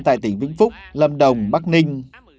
tại tỉnh vĩnh phúc lâm đồng bắc ninh